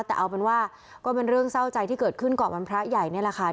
แต่เอาเป็นว่าก็เป็นเรื่องเศร้าใจที่เกิดขึ้นก่อนวันพระใหญ่นี่แหละค่ะ